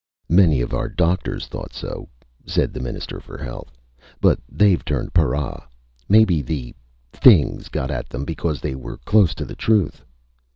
"Many of our doctors thought so," said the Minister for Health. "But they've turned para. Maybe the ... Things got at them because they were close to the truth."